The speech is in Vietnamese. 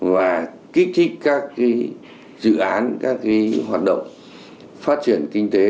và kích thích các cái dự án các cái hoạt động phát triển kinh tế